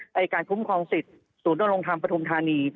อาจารย์การคุ้มคลองสิทธิ์ศูนย์ด้านลงทำประธุมธรรมนี้